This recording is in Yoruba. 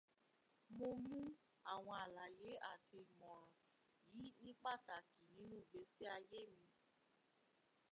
Mó mu àwọn àlàyé àti ìmọ̀ràn yí ni pàtàkì nínú ìgbésí ayé mi.